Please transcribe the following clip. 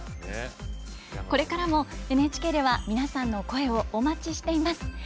これからも、ＮＨＫでは皆さんの声をお待ちしています。